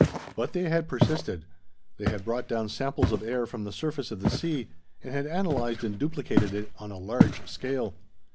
But they had persisted. They had brought down samples of air from the surface of the sea, and had analyzed and duplicated it on a large scale.